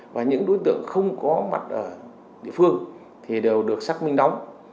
và những đối tượng không có mặt ở địa phương thì đều được xác minh đóng